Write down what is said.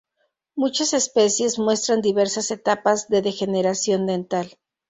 Muchas especies muestran diversas etapas de degeneración dental.